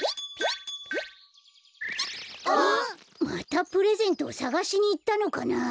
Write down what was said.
またプレゼントをさがしにいったのかな？